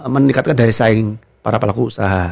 meningkatkan daya saing para pelaku usaha